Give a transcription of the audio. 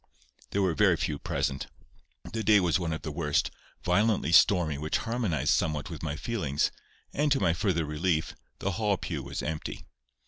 There were very few present. The day was one of the worst—violently stormy, which harmonized somewhat with my feelings; and, to my further relief, the Hall pew was empty.